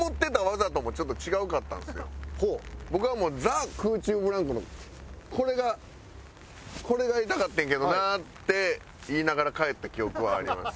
だから僕が僕はもうザ・空中ブランコのこれがこれがやりたかってんけどなって言いながら帰った記憶はあります。